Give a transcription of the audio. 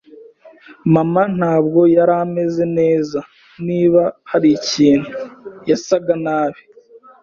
Mama ntabwo yari ameze neza. Niba hari ikintu, yasaga nabi.